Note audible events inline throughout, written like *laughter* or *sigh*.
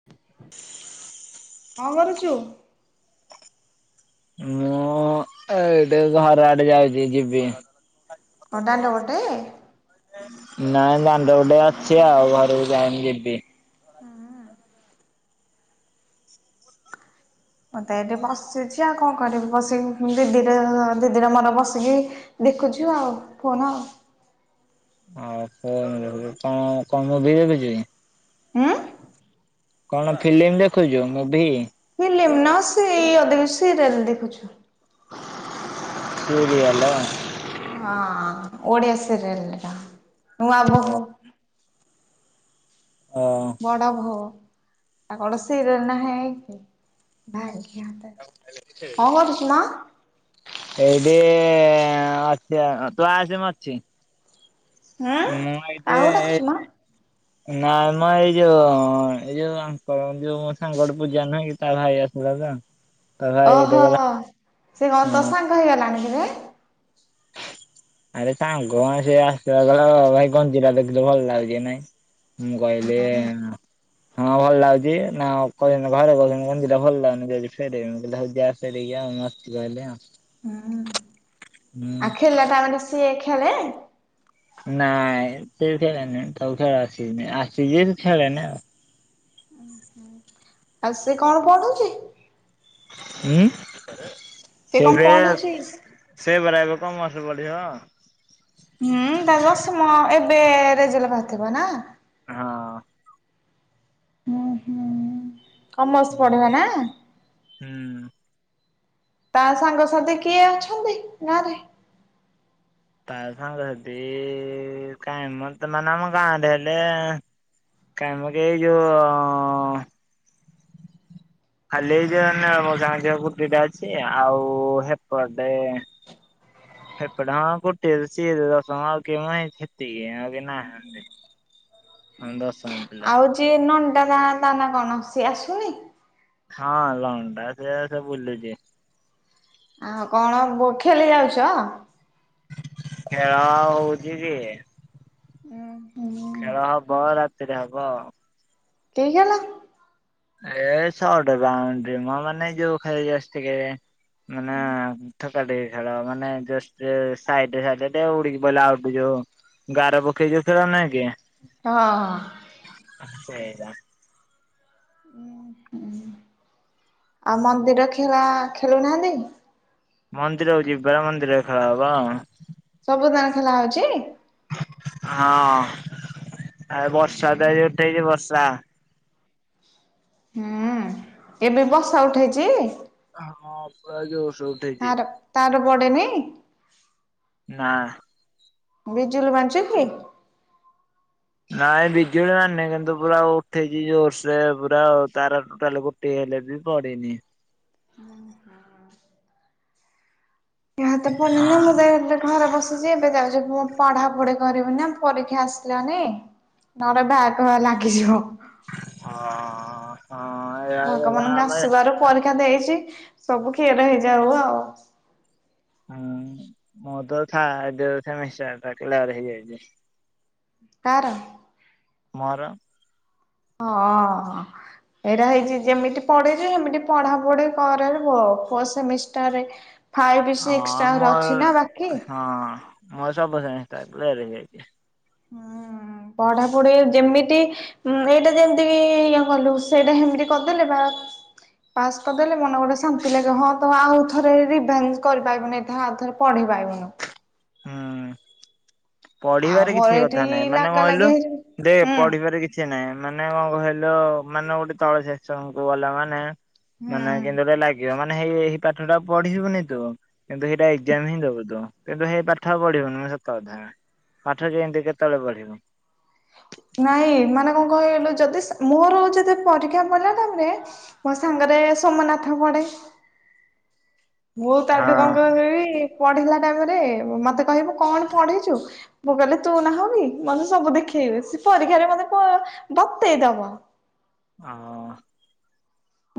*inaudible* ଙ୍କ କରୁଚୁ? ମୁଁ ଏଇଠି ଘର ଆଡେ ଯାଉଚି ଯିବି। ଦାଣ୍ଡ ପଟେ *unintelligible* ନାଇଁ ଦାଣ୍ଡ ପଟେ ଅଛି ଆଉ ଘରକୁ ଯାଇନି ଯିବି। ମତେ ଏଠି ବସିଚି ଆଉ କଣ କରିବି ବସିକି ଉଁ ଦିଦିର ଦିଦିର ମୋର ବସିକି ଦେଖୁଚୁ ଆଉ ଫୋନ। ଅ ଫୋନ ରେ କନ୍ କନ୍ ମୁଭିଈ ଦେଖୁଚି? ଉଁ। କଣ ଫିଲ୍ମ ଦେଖୁଚୁ ମୁଭି? ଫିଲିମ୍ ନ ସେଇ ଅଧିକ ସିରିଏଲ ଦେଖୁଛୁ। ସିରିଏଲ। ହଁ ଓଡିଆ ସିରଏଲ ହେରିକା ଓ ନୁଆବୋହୁ। ଅଁ। ବଡ ବୋହୂ ଆ କଣ ସିରିଏଲ୍ ନାହିଁ କି। ଭାଗ୍ୟ ତ କଣ କରୁଚୁ ମ? ଏଇଠି ଅଛି ଆଉ ତୁ ଆସେ ମୁଁ ଅଛି। ହାଁ ମୁଁ ଏଇଠି କାହାକୁ ଡାକୁଛୁ ମ? ଏଇଠି ନାଇଁ ମ ଏଇ ଯୋଉ ଏଇ ଯୋଉ ଆଙ୍କ ଯୋଉ ମୋ ସାଙ୍ଗଟେ ପୂଜା ନୁହ କି ତା ଭାଇ ଆସିଥିଲା ତ। ତା ଭାଇ ଏଇଠି ଓହୋ ଗଲା ସେ କଣ ତୋ ହଁ ସାଙ୍ଗ ହେଇଗଲାଣି କିରେ? ଆରେ ସାଙ୍ଗ କଣ ସେ ଆସିଥିଲା କହିଲା ଭାଇ ଗଞ୍ଜିଟା ଦେଖିଲ ଭଲ ଲାଗୁଛି କି ନାଇଁ। ମୁଁ କହିଲି। ହଁ ଭଲ ଲାଗୁଚି ନା କହିବନି ଘରେ କହୁଛନ୍ତି ଗଞ୍ଜିଟା ଭଲ ଲାଗୁନି ଯାଉଛି ଫେରେଇବାକୁ ମୁଁ କହିଲି ହଉ ଯା ଫେରେଇକି ଆଣୁ କହିଲି ଆଉ। ହୁଁ ଆଉ ହୁଁ ଖେଳିଲା ଟାଇମ୍ ରେ ସିଏ ଖେଳେ? ନାଇଁ ସେ ଖେଳେନି ତାକୁ ଖେଳ ଆସେନି ଆସେ ଯେ ସେ ଖେଳେନି ଆଉ। ଉଁ ହୁଁ ଆଉ ସେ କଣ ପଢୁଚି? ଉଁ ସେ କଣ ଏବେ। ପଢୁଛି? ସେ ପରା ଏବେ କମର୍ସ ପଢିବ। ଉଁ ତା ଦଶମ ଏବେ ରେଜଲ୍ଟ ବାହାରିଥିବ ନା। ହଁ। ହୁଁ ହୁଁ କମର୍ସ ପଢିବ ନା। ହୁଁ। ତା ସାଙ୍ଗସାଥି କିଏ ଅଛନ୍ତି ଗାଁ ରେ? ତା ସାଙ୍ଗସାଥି କାଇଁ ମ ତ ମାନେ ଆମ ଗାଁରେ ହେଲେ। କାମ କି ଏଇ ଯୋଉ। ଖାଲି ଏଇ ଯୋଉ ମାନେ ଆମ ଗାଁ ଝିଅ ଗୁଡି ଟା ଅଛି ଆଉ ହେପଟେ। ହେପଟେ ହଁ ଗୋଟିଏ ତ ସିଏ ଦଶମ ଆଉ କେହି *unintelligible* ସେତିକି ଆଉ କେହି ନାହା ହୁଁ। ହୁଁ ଦଶ ମୀ ଆଉ ଯିଏ ନଣ୍ଡା ତା ତା ନା କଣ ସିଏ ଆସୁନି? ହଁ ଲଣ୍ଡା ସେ ସେ ବୁଲୁଚି। ଆଉ କଣ ବୋ ଖେଲି ଯାଉଛ? ଖେଳ ହଉଚି କି ଉଁ ହୁଁ ଖେଳ ହବ ରା ତିରେ ହବ ଆଉ। ଠିକ୍ ହେଲା। ଏ ଶଟ୍ ବାଉଣ୍ଡ୍ରି ମ ମାନେ ଯୋଉ ଖାଲି ଜଷ୍ଟ ଟିକେ। ମାନେ ଥ ତା ଟି କି ଖେଳ ମାନେ ଜଷ୍ଟ ସାଇଡରେ ସାଇଡରେ ଦେ ଉଡିକି ପଇଲା ଆଉଟ ଯଉ। ଗାର ପକେଇ ଯଉ ଖେଳୁନା କି। ହଁ ହଁ। ଆଃ ସେଇଟା। ଉଁ ହୁଁ ଆଉ ମନ୍ଦିର ଖେଳା ଖେଳୁନାହାନ୍ତି। ମନ୍ଦିରକୁ ଯିବି ବା ମନ୍ଦିରରେ ଖେଳ ହବ। ସବୁଦାଁ ଖୋଲା ହଉଛି? ହଁ ଏ ବର୍ଷା ତ ଏ ଉଠେଇଚି ବର୍ଷା। ହୁଁ ଏବେ ବର୍ଷା ଉଠେଇଛି? ଆ ହଁ ପୁରା ଯୋର ସେ ଉଠେଇଚି। ତାର ତାର ବଡ଼େନି? ନାଁ। ବିଜୁଲି ମାରୁଚିକି କିି? ନାଇଁ ବିଜୁଳି ମାରୁନି କିନ୍ତୁ ପୁରା ଉଠେଇଛି ଜୋରସେ ପୁରା ତାର ଟୋଟାଲକୁ ଟେ ହେଲେ ବି ପଡିନି। ଏ ହାତ ପଡିନି ନା ହଁ। ମୁଁ ତ ଏବେ ଘରେ ବସି ଜେ ଏବେ ଯାଉଛି ପଢା ପଢି କରିବ ନା ପରୀକ୍ଷା ଆସିଲାଣି। ନହେଲେ ବ୍ୟାକ ଲାଗିଯିବ। ହଁ ହଁ *unintelligible* ଭଗବାନଙ୍କ ଆମେ ଆଶୀର୍ବାଦରୁ ପରୀକ୍ଷା ଦେଇଛି ସବୁ କ୍ଲିଅର ହେଇଯାଉ ଆଉ ହୁଁ ମୋରତ ଥା ଜଉ ସେମିଷ୍ଟାରଟା କ୍ଲିଅର ହେଇଯାଇଛି। କାର? ମୋର। ହଁ ଅ। ଏରା ହେଇଛି ଯେମିତି ପଡିଚି ହେମିତି ପଢାପଢି କରରେ ପୁଅ ଫୋର ସେମିଷ୍ଟାରେ ଫାଇବିି ହଁ ସିକ୍ସିଟା ଆହୁରି ଅଛି ନା ବାକି। ମେରସବୁ ସେମିସ୍ଟାର କ୍ଳିଅର ହେଇଯାଇଛି। ହୁଁ ପଢାପଢି ଯେମିତ ଏଇଟା ଯେମିତିବି ଇଏ କଲୁ ସେଇଟା ହେମିତି କରିଦେଲେ ବାଆ ପାସ୍ କରିଦେଲେ ମନ ଗୋଟେ ଶାନ୍ତି ଲାଗିବ ହଁ ତ ଆଉ ଥରେ ରିଭାଇଜ କରିପାରିବୁନି ଏତେ ଆଉ ଥରେ ପଢିପାରିବୁନୁ। ହୁଁ ଆଉ ପଢିବାରେ ମୋର କିଛି ଏଠି କଥା ନାହିଁ ମାନେ ଲାଗ କଣକହିଲୁ ଲାଗି ହେଇ ହୁଁ ଦେ ପଢିବାରେ କିଛି କିଛି ନାଇଁ ମାନେ କଣ କହିଲ ମାନେ ଗୋଟେ ତଳ ଶେକ୍ସନଙ୍କୁ ଗଲା ମାନେ ହୁଁ। ମାନେ କେନ୍ତି ଗୋଟେ ଲାଗିବ ମାନେ ହେଇ ପାଠଟା ପଢିଯିବୁନି ତୁ କିନ୍ତୁ ହେଇଟା ଏକ୍ଜାମ ହିଁ ଦବୁ ତୁ କିନ୍ତୁ ହେ ପାଠ ପଢିବୁନି ସତ କଥା। ପାଠ କେମିତି କେତେବେଳେ ପଢିବୁ। ନାଇଁ ମାନେ କଣ କହିଲୁ ଯଦି ମୋର ଯେତେ ପରୀକ୍ଷା ପଇଲା ତାପରେ ମୋ ସାଙ୍ଗରେ ସୋମନାଥ ପଡେ। ମୁଁ ତାଠୁ କଣ ହଁ। କହିବି ପଢିଲା ଟାଇମରେ ମତେ କହିବ କଣ ପଢିଚୁ? ମୁଁ କହିଲି ତୁ ନାହୁଁକି ମତେ ସବୁ ଦେଖେଇବ ସେ ପରୀକ୍ଷାରେ ମତେ ବତେଇଦବ। ହଁ ଅ।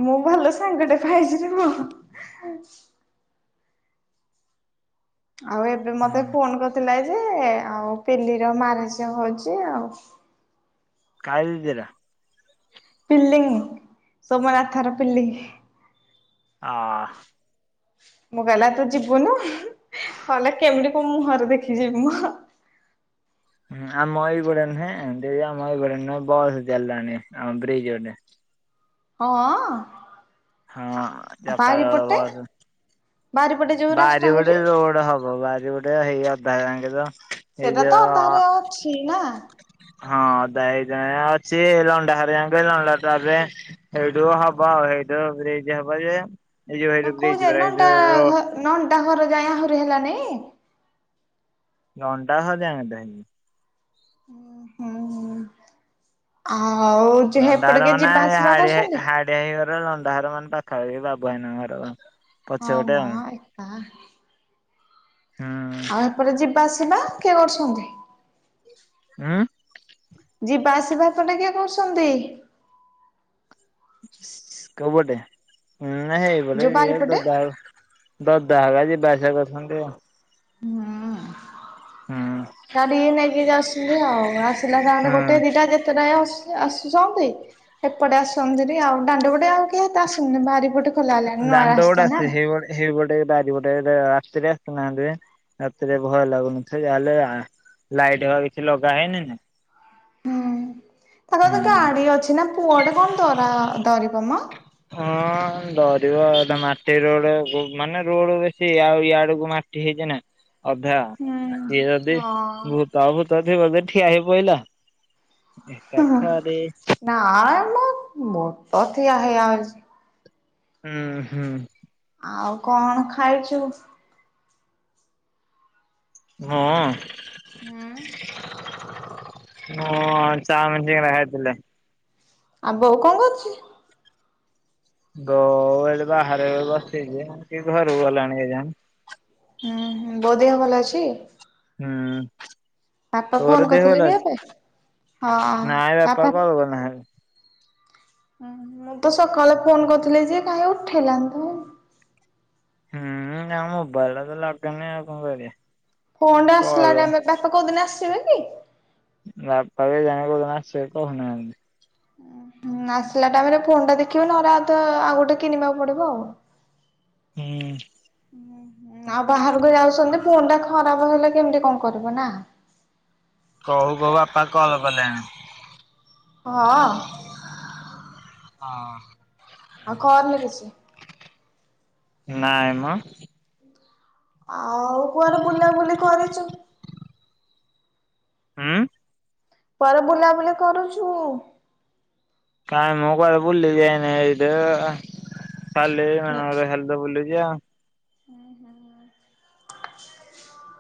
ମୁଁ ଭଲ ସାଙ୍ଗଟେ ପାଇଛିରେ ପୁଅ। ଆଉ ଏବେ ମତେ ହୁଁ ଫୋନ କରିଥିଲା ଯେ ଆଉ ପେଲିିର ମାନସିକ ହଉଛି ଆଉ କାଇଲିଜିରା। ପିଲିଂ ସୋମନାଥ ର ପିଲିଂ। ଆ। ମୁଁ କହିଲା ତୁ ଯିବୁନୁ କହିଲା କେମିତି କୋଉ ମୁହଁରେ ଦେଖି ଯିବିମ। ହୁଁ ଆମ ଏଇପଟିଆ ନୁହେଁ ଦେଇ ଆମ ଏଇପଟେ ନୁହେଁ ବସ ଚାଲିଲାଣି ଆମ ବ୍ରିଜ ପଟେ। ହଁ ଅ। ହଁ ଯକାଳ ବସ ବାରିପଟେ ଯୋ ବାରିପଟେ ରୋଡ୍ ହବ ବାରି ପଟେ ହେଇ ଅଧା ଯାଙ୍କେ ତ ଏଇ ସେଟା ତ ଯୋଉ ଅଧାରେ ଅଛି ନା ହଁ ଦାଇ ଜଣେ ଅଛି ଲଣ୍ଡା ହେରିଆଙ୍କୁ କହି ଲଣ୍ଡା ଟା ଦେ। ଏଉଠୁ ହବ ଆଉ ସେଇଠୁ ସେଇଠି ହବ ଯେ ଏଇ ଯୋଉ ହେଇଠୁ ଦେଇଚୁ ପରା ଏଇ ଯୋଉ ର ନଣ୍ଡା ଘର ଯାଏ ଆହୁରି ହେଲାନି? ଲଣ୍ଡା ଘର ଯାଏ *unintelligible* ଓ ହଁ ହୁଁ ଆଉ ଯେ ହେପଟେ କିଏ ଯିବା ଆସିବା କରୁଛନ୍ତି? ଦେଇ ଘର ଲଣ୍ଡାଘର ମାନେ ପାଖାପଖି ବାବୁ ଭାଇନା ଘର *unintelligible* ହଁ ପଛପଟେ ମୋ ଆଉ ଏକା। ହୁଁ ଆଉ ଏପଟେ ଯିବା ଆସିବା କିଏ କରୁଛନ୍ତି? ଉଁ, ଯିବା ଆସିବା ଏପଟେ କିଏ କରୁଛନ୍ତି? କୋଉ ପଟେ ଉଁ, ନା ହେଇ ପଟେ ଯୋଉ ଇଏ ବାରିପଟେ? ଦାଦା *unintelligible* ଦାଦା ହେରକା ଯିବାଆସିବା କରଛନ୍ତି ଆଉ। ହୁଁ ଗାଡି ନେଇକି ଯାଉସନ୍ତି ଆଉ, ଆସିଲା *unintelligible* ହୁଁ। ଗୋଟେ ଦିଟା ଯେତେ ଟା ଆସ ଯେ ଆସୁଛନ୍ତି, ଏପଟେ ଆସୁଛନ୍ତି ଦେରି ଆଉ ଦାଣ୍ଡପଟେ ଆଉ କିଏ ଏତେ ଆସୁନି, ବାରିପଟେ ଖୋଲା ହେଲାଣି ନୂଆ ରାସ୍ତା ନା? ହେଇପଟେ ଏ ବାରିପଟେ ଏଇ ଯେ ରାତିରେ ଆସୁନାହାନ୍ତି, ରାତିରେ ଭୟ ଲାଗୁନି, ସେ ଯାହେଲେ ଆ ଲାଇଟ୍ ହେକା କିଛି ଲଗା ହେଇନି ନା ତୋମର ତ ହୁଁ ଗାଡି ଅଛି ନା, ପୁଅଟେ କଣ ଦରା ଦରିବ ମୋ। ହଁ ଡରିବ ଏଟା ମାଟି ରୋଡ୍ କୁ ମାନେ ରୋଡ୍ ବେଶୀ ଆଉ ଇଆଡକୁ ମା ଟି ହେଇଚି ନା ଅଧା, ହୁଁ ଆ କିଏ ଯଦି ହଁ ଭୂତ ଫୂତ ଥିବ ବେ ଠିଆ ହେଇ ପଇଲା। ଏକାଥରେ ନା ମୋ ମୋଟ ଠିଆ ହେଇ ଆଉଛି। ହୁଁ, ହୁଁ। ଆଉ କଣ ଖାଇଛୁ? ମୁଁ ହୁଁ ମୁଁ ଚାଉମିନ୍ *unintelligible* ଥିଲେ। ଆଉ ବୋଉ କଣ କରୁଛି? ବୋଉ ଏଇଟି ବାହାରେ ବସିଛି ଯେ କି ଘରକୁ ଗଲାଣି କେଜାଣି। ଉଁ, ହୁଁଁ, ବୋଉ ଦେହ ଭଲ ଅଛି? ହୁଁ। ବାପା ଫୋନ ତୋର ଦେହ କରିଥିଲେ ଭଲ କି ଏବେ? ଅଛି? ନାଇଁ ବାପା କୁଆଡେ ଗଲେ ଭାରି। ହୁଁ, ମୁଁ ତ ସକାଳେ ଫୋନ୍ କରିଥିଲି ଯେ କାହିଁ ଉଠେଇଲାନି ତ। ହୁଁ, ଆଉ ମୋବାଇଲ୍ ଟା ତ ଲାଗୁନି ଆଉ କଣ କରିବା। ଫୋନ୍ ଟା ଆସିଲା କଲ ଟାଇମ୍ ରେ, ବାପା କୋଉଦିନ ଆସିବେ କି? ବାପା କେଇଜାଣେ କୋଉଦିନ ଆସିବେ କହୁନାହାନ୍ତି। ହୁଁ, ଆସିଲା ଟାଇମ୍ ରେ ଫୋନ୍ ଟା ଦେଖିବୁନା ରାଥ ଆଉ ଗୋଟେ କିଣିବାକୁ ପଡିବ ଆଉ। ହ ହୁଁ। ହୁଁ, ଆଉ ବାହାରକୁ ଯାଉଛନ୍ତି ଫୋନ୍ ଟା ଖରାପ ହେଲେ କେମିତି କଣ କରିବୁ ନା। କହୁ କହୁ ବାପା କଲ୍ କଲେଣି। ହଁ। ହଁ। ଆଉ କରନି କିଛି ନାଇଁ ମ। ଆଉ କୁଆଡେ ବୁଲା ବୁଲି କରିଛୁ। ହଁ ପରେ ବୁଲାବୁଲି କରୁଛୁ? କାଇଁ ମୁଁ କରେ ବୁଲି ଯାଇନ ଏଇଦ ଖାଲି ମ ବୁଲଛି ଆଉ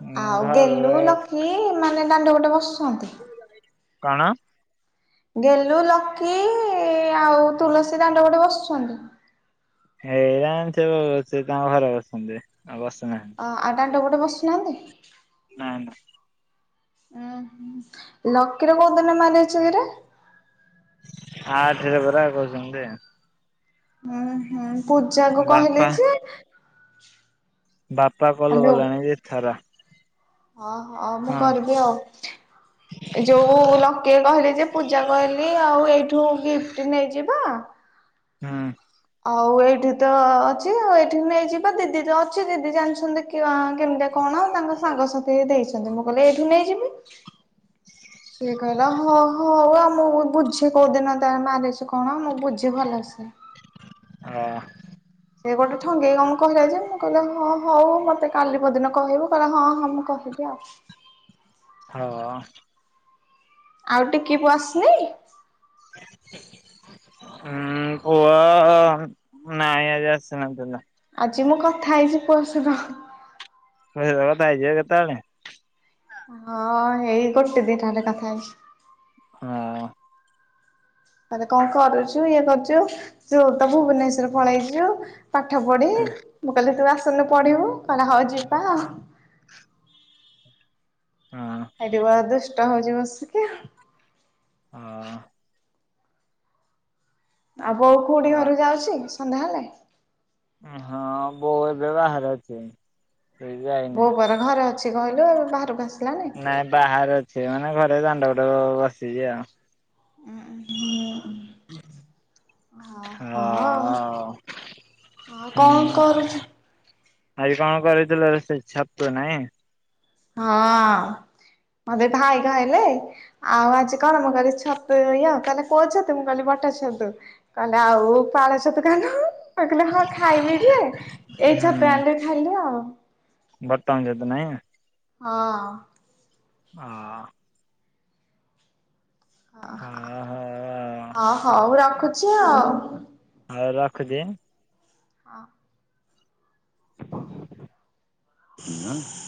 ଉଁ ଆଉ ଗେଲୁ ଘରେ ଲୋ କି ମାନେ ଦାଣ୍ଡ ଗୋଟେ ବସୁଛନ୍ତି। କଣ? ଗେଲୁ ଲକି ଆଉ ତୁଳସୀ ଦାଣ୍ଡ ପଟେ ବସିଛନ୍ତି। ଏଇରା ସେ ଅ ସେ ତାଙ୍କ ଘରେ ବସଛନ୍ତି ଆଉ ବସୁନାହାନ୍ତି। ଆଉ ଦଣ୍ଡ ପଟେ ବସୁନାହାନ୍ତି। ହଁ ଉଁ ହ ଲକିର କୋଉଦିନ ମାରିଛ କିରେ। ହାର୍ଟରେ ପରା କହୁଛନ୍ତି। ହୁଁ ହୁଁ ପୂଜା କୁ କହିଲି ବାପା ଯେ ବାପା କଲ ହ୍ୟାଲୋ ଗଲାଣି ଯେ ଧାରା ହଁ ହଁ ମୁଁ କରିବି ଆଉ ଯୋଉ ଲକି କି କହିଲି ଯେ ପୂଜା କହିଲି ଆଉ ଏଇଠୁ ଗିଫ୍ଟ ନେଇଯିବା। ହଁ ଆଉ ଏଇଠି ତ ଅଛି ଆଉ ଏଇଠି ନେଇଯିବା ଦିଦି ତ ଅଛି ଦିଦି ଜାଣିଛନ୍ତି। କେମିତି କଣ ତାଙ୍କ ସାଙ୍ଗସଥି ଦେଇଛନ୍ତି ମୁଁ କହିଲେ ଏଇଠୁ ନେଇଯିବି। ସିଏ କହିଲ ହ ହଉ ଆଉ ମୁଁ ବୁଝି କୋଉ ଦିନ ତ ମାରିଛି କଣ ମୁଁ ବୁଝି ଭଲ ସି ହଁ ସେିଏ ଗୋଟେ ଠଙ୍ଗେଇକି କମ କହିଲା ଯେ ମୁଁ କହିଲେ ହଁ ହଉ ମୋତେ କାଲି ପଦିନ କହିବୁ କହିଲେ ହଁ ହଁ ମୁଁ କହିବି ଆଉ ହଁ ଆଉ ଟିକ କି ପୁ ଆସ ହଁ ପୁଅ ନାଇଁ ଆଜି ଆସିନାହନ୍ତି। ଆଜି ମୁଁ କଥା ହେଇଛି ପୁଅଶହିଁତ। ପଇ କଥା ହେଇଯିବ କେତେବେଳେ। ହଁ ହେଇ ଗୋଟେ ଦିନ ହେଲେ କଥା ହେଇଛି। ହଁ ତାେ କଣ କରୁଛୁ ଇଏ କରୁଛୁ ତୁ ତ ଭୁବନେଶ୍ଵର ପଳେଇଛୁ ପାଠ ପଢି ହଁ ମୁଁ କହିଲି ତୁ ଆସନୁ ପଢିବୁ କହିଲେ ହଉ ଯିବା ଆଉ ହଁ ଏଠି ବ ଦୁଷ୍ଟ ହଉଛି ବସିକି ହଁ ଆଉ ବୋଉ ଖୁଡି ହଁ ଘରୁ ଯାଉଛି ସନ୍ଧ୍ୟା ହେଲେ ହଁ ବୋଉ ଏବେ ବାହାର ଅଛି। ସେ ଯାଇନି ବୋଉ ପରା ଘରେ ଅଛି କହିଲୁ ବାହାରକୁ ଆସିଲାନି। ନାଇଁ ବାହାରେ ଅଛି ମାନେ ଘରେ ଦାଣ୍ଡ ପଟ ବସିଛି ଆଉ ହ ହ ହଁ ହଁ ହୁଁ କଣ କରୁଛୁ? ଆଜି କଣ କରିଥିଲ ରୋଷେଇ, ଛାତୁ ନାଇଁ? ହଁ, ମତେ ଭାଇ କହିଲେ ଆଉ ଆଜି କଣ? ମୁଁ କହଲି, ଛତୁ। *unintelligible* କହିଲେ କୋଉ ଛତୁ? ମୁଁ କହିଲି ବଟର ଛତୁ। କହିଲେ ଆଉ ପାଳ ଛତୁ ଖାଉନୁ। *unintelligible* କହିଲି ହଁ ଖାଇବି ଯେ ଏଇ ଛାତୁ ଆନିଲି ଖାଇଲି ଆଉ। ବଟନ୍ ଛତୁ ନାଇଁ? ହଁ। ହଁ। *unintelligible* ହଁ ହଉ ମୁଁ ରଖୁଛି ଆଉ। ହଉ ରଖୁଛି। ହଁ। *inaudible*